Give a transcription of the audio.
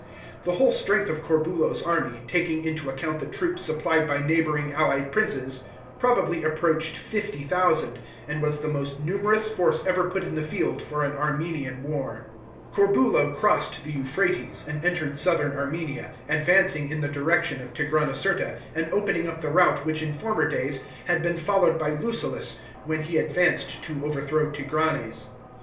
The whole strength of Corbulo's army, taking into account the troops supplied by neigh bouring allied princes, probably approached 50,000, and was the most numerous force ever put in the field for an Armenian war. Corbulo crossed the Euphrates, and entered southern Armenia, advancing in the direction of Tigranocerta, and opening up the route which in former days had been followed by Lucullus when he advanced to overthrow Tigranes.